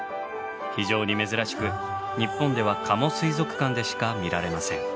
非常に珍しく日本では加茂水族館でしか見られません。